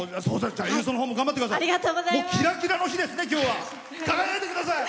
演奏のほうも頑張ってください。